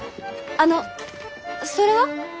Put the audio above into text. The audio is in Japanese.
あのそれは？